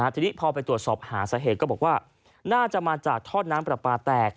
ทีนี้พอไปตรวจสอบหาสาเหตุก็บอกว่าน่าจะมาจากทอดน้ำปลาปลาแตก